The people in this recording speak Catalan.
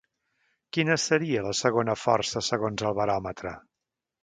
Quina seria la segona força segons el baròmetre?